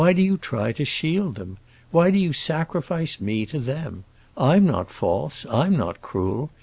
Why do you try to shield them? Why do you sacrifice me to them? I'm not false; I'm not cruel.